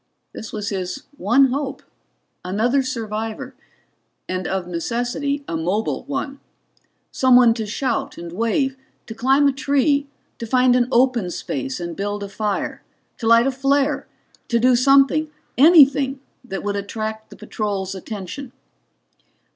This was his one hope another survivor, and of necessity a mobile one. Someone to shout and wave, to climb a tree, to find an open space and build a fire, to light a flare, to do something anything that would attract the patrol's attention.